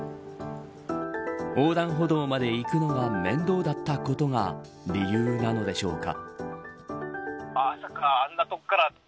横断歩道まで行くのは面倒だったことが理由なのでしょうか。